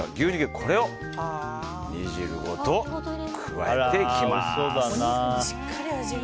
これを煮汁ごと加えていきます。